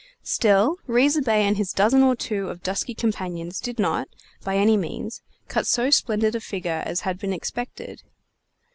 Still Riza Bey and his dozen or two of dusky companions did not, by any means, cut so splendid a figure as had been expected.